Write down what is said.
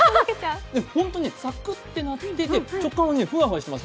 本当、サクッとなってて食感がふわふわしてます。